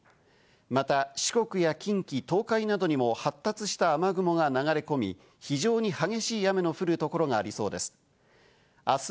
また四国や近畿、東海などにも発達した雨雲が流れ込み、非常に激しい雨の降る所がありそうです。